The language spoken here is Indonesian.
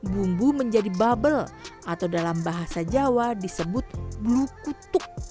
bumbu menjadi bubble atau dalam bahasa jawa disebut blue kutuk